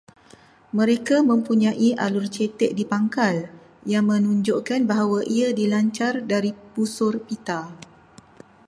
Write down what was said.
Mereka mempunyai alur cetek di pangkal, yang menunjukkan bahawa ia dilancar dari busur pita